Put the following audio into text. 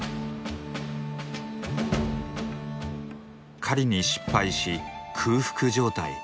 狩りに失敗し空腹状態。